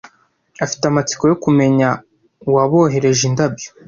Afite amatsiko yo kumenya uwabohereje indabyo.